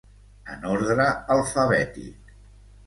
En ordre alfabètic.